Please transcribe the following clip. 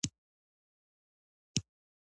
که ښیګڼې یې نه درلودلې فیلسوف به درنه جوړ شي.